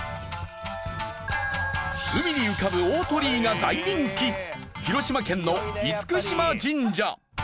海に浮かぶ大鳥居が大人気広島県の嚴島神社。